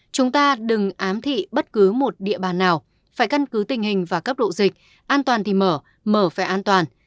chúng ta đừng ám thị bất cứ một địa bàn nào phải căn cứ tình hình và cấp độ dịch an toàn thì mở mở phải an toàn